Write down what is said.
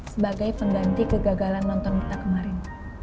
sebagai pengganti kegagalan nonton kita kemarin